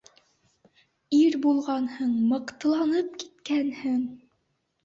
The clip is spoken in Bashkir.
- Ир булғанһың, мыҡтыланып киткәнһең!